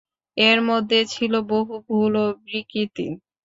এর মধ্যে ছিল বহু ভুল ও বিকৃতি।